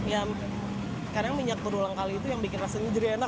ya kadang minyak berulang kali itu yang bikin rasanya jadi enak